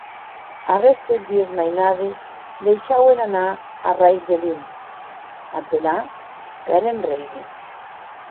Aguestes dues mainades deishauen anar arrais de lum; ath delà, qu’èren reines.